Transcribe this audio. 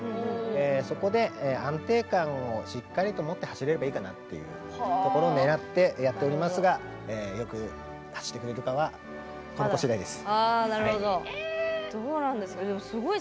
そこで安定感を持って走れればいいかなというところを狙ってやっておりますがよく走ってくれるかはこの子しだいです。